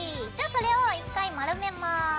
じゃあそれを１回丸めます。